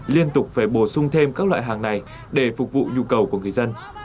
liên tục phải bổ sung thêm các loại hàng này để phục vụ nhu cầu của người dân